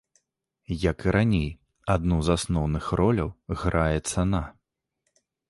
Як і раней, адну з асноўных роляў грае цана.